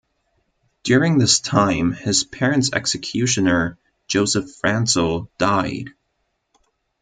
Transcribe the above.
During this time, his parents' executioner, Joseph Francel, died.